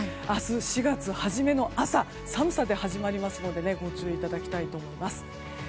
明日、４月初めの朝は寒さで始まりますのでご注意いただきたいと思います。